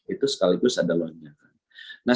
itu sekaligus ada luarnya